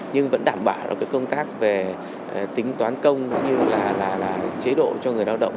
nhưng vẫn đảm bảo công tác về tính toán công cũng như là chế độ cho người lao động